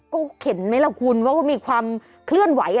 ก็เห็นไหมล่ะคุณว่ามีความเคลื่อนไหว